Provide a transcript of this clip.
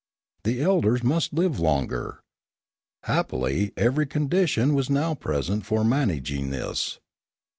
The elders must live longer. Happily every condition was now present for managing this.